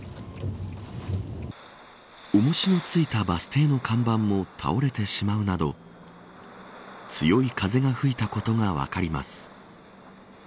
重しのついたバス停の看板も倒れてしまうなど強い風が吹いたことが分かります。